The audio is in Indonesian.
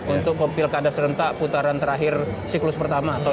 untuk pemimpin kandas rentak putaran terakhir siklus pertama tahun dua ribu delapan belas